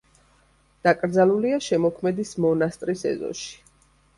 დაკრძალულია შემოქმედის მონასტრის ეზოში.